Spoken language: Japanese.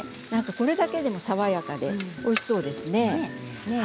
これだけでもおいしそうですね。